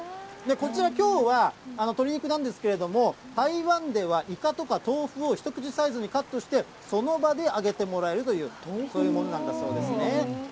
こちら、きょうは鶏肉なんですけれども、台湾ではイカとか豆腐を一口サイズにカットして、その場で揚げてもらえるという、そういうものなんだそうですね。